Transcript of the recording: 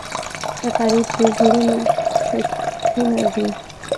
غریب د زړونو شګونه دی